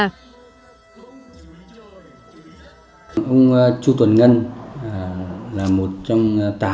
ông chu tuần ngân là một trong tám người của tỉnh tuyên quang đã được nhà nước phòng tặng danh hiệu là nghệ nhân yếu tố